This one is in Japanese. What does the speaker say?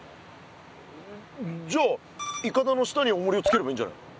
じゃあいかだの下におもりをつければいいんじゃないの。